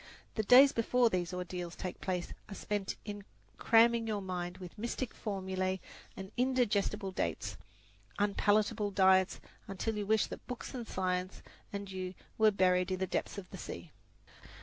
The days before these ordeals take place are spent in cramming your mind with mystic formula and indigestible dates unpalatable diets, until you wish that books and science and you were buried in the depths of the sea.